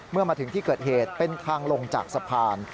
เมื่อมาถึงที่เกิดเหตุเป็นทางลงจากสะพาน